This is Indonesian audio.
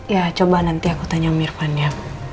ya coba nanti aku tanya om irfan ya